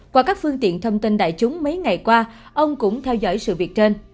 qua các phương tiện thông tin đại chúng mấy ngày qua ông cũng theo dõi sự việc trên